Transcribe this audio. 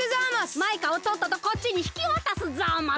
マイカをとっととこっちにひきわたすざます。